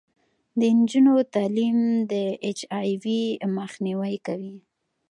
د نجونو تعلیم د اچ آی وي مخنیوی کوي.